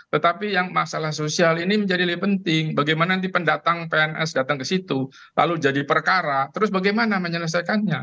tetapi yang masalah sosial ini menjadi lebih penting bagaimana nanti pendatang pns datang ke situ lalu jadi perkara terus bagaimana menyelesaikannya